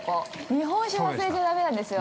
日本酒忘れちゃだめなんですよ。